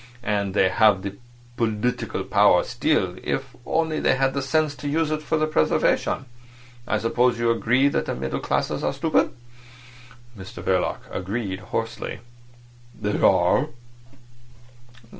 And they have the political power still, if they only had the sense to use it for their preservation. I suppose you agree that the middle classes are stupid?" Mr Verloc agreed hoarsely. "They are."